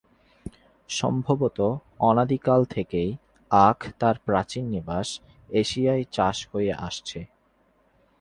সম্ভবত অনাদিকাল থেকেই আখ তার প্রাচীন নিবাস এশিয়ায় চাষ হয়ে আসছে।